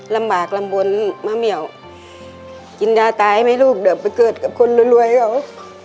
ลำบากลำบลมะเหมียวกินยาตายไหมลูกเดี๋ยวไปเกิดกับคนรวยเขา